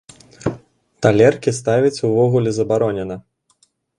Талеркі ставіць увогуле забаронена!